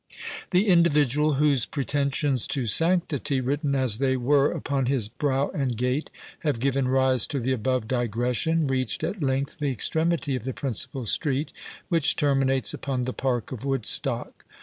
The individual, whose pretensions to sanctity, written as they were upon his brow and gait, have given rise to the above digression, reached at length the extremity of the principal street, which terminates upon the park of Woodstock.